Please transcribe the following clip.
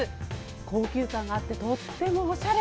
高級感があって、とってもおしゃれ。